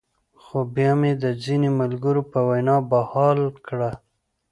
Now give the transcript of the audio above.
خو بيا مې د ځينې ملګرو پۀ وېنا بحال کړۀ -